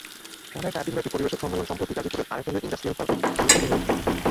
প্রাণের চার দিনব্যাপী পরিবেশক সম্মেলন সম্প্রতি গাজীপুরে আরএফএলের ইন্ডাস্ট্রিয়াল পার্কে অনুষ্ঠিত হয়েছে।